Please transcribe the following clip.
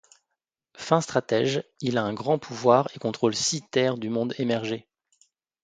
Fin stratège, il a un grand pouvoir et contrôle six terres du Monde Émergé.